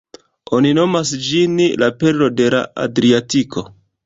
Oni nomas ĝin "la perlo de la Adriatiko".